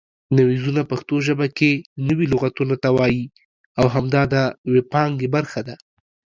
نویزونه پښتو ژبه کې نوي لغتونو ته وایي او همدا د وییپانګې برخه ده